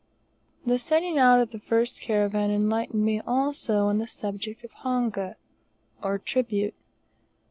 The setting out of the first caravan enlightened me also on the subject of honga, or tribute.